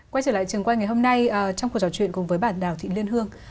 quay trở lại trường quay ngày hôm nay trong cuộc trò chuyện cùng với bà đào thị liên hương